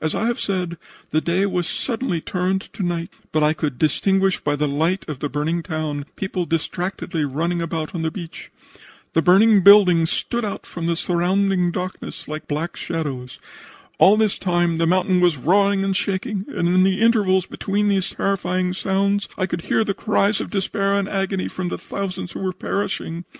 As I have said, the day was suddenly turned to night, but I could distinguish by the light of the burning town people distractedly running about on the beach. The burning buildings stood out from the surrounding darkness like black shadows. All this time the mountain was roaring and shaking, and in the intervals between these terrifying sounds I could hear the cries of despair and agony from the thousands who were perishing.